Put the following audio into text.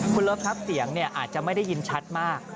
คุณเลิฟครับเสียงอาจจะไม่ได้ยินชัดมาก